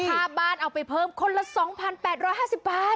ค่าบ้านเอาไปเพิ่มคนละ๒๘๕๐บาท